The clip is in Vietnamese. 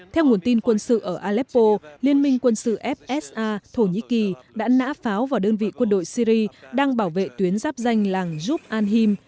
theo nguồn tin quân sự ở aleppo liên minh quân sự fsa thổ nhĩ kỳ đã nã pháo vào đơn vị quân đội syri đang bảo vệ tuyến giáp danh làng youb alhim